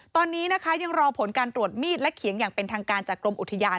ตอนนี้นะคะยังรอผลการตรวจมีดและเขียงอย่างเป็นทางการจากกรมอุทยาน